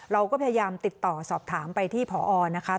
เราก็พยายามติดต่อสอบถามไปที่พอนะคะ